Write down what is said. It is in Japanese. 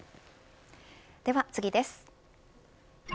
では次です。